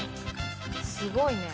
すごいね。